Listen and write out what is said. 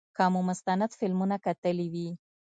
که مو مستند فلمونه کتلي وي.